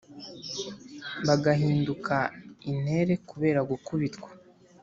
Bagahinduka intere kubera gukubitwa